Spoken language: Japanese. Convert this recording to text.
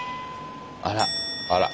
あら。